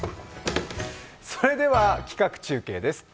それでは企画中継です。